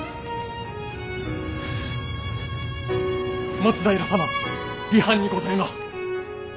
松平様離反にございます。